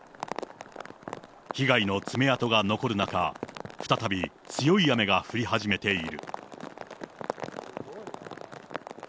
被害の爪痕が残る中、再び、強い雨が降り始めている。